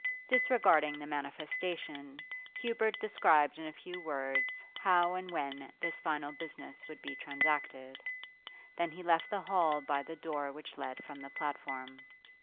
Disregarding the manifestation, Hubert described in a few words how and when this final business would be transacted; then he left the hall by the door which led from the platform.